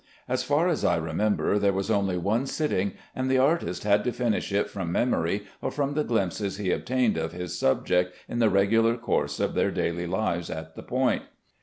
As far as I remember, there was only one sitting, and the artist had to finish it from memory or from the glimpses he obtained of his subject in the regular course of their daily lives at "The Point."